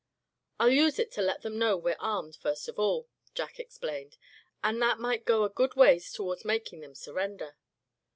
"I'll use it to let them know we're armed, first of all," Jack explained, "and that might go a good ways toward making them surrender."